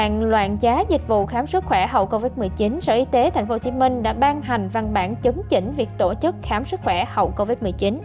trong loạn giá dịch vụ khám sức khỏe hậu covid một mươi chín sở y tế tp hcm đã ban hành văn bản chấn chỉnh việc tổ chức khám sức khỏe hậu covid một mươi chín